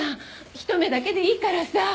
ひと目だけでいいからさ。